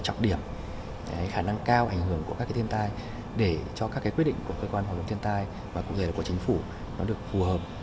chọc điểm khả năng cao ảnh hưởng của các thiên tai để cho các quyết định của cơ quan hoạt động thiên tai và của chính phủ được phù hợp